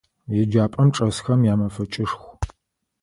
Еджапӏэм чӏэсхэм ямэфэкӏышху.